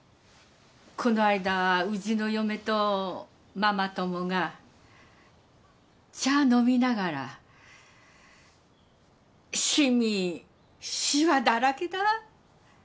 この間うちの嫁とママ友が茶飲みながら「染みしわだらけだ」